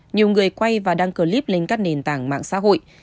nhiều người quay và đăng clip lên các nền tảng mạng xã hội